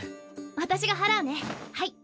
私がはらうねはい。